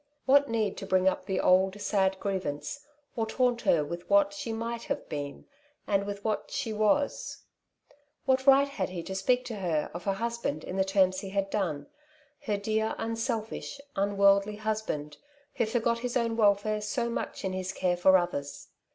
What need to bring up the old, sad grievance, or taunt her with what she might have been, and with what she was ? What right had he to speak to her of her husband in the terms he had done — ^her dear, unselfish, unworldly husband, who forgot his own welfare so much in his care for others